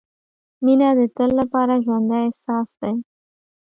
• مینه د تل لپاره ژوندی احساس دی.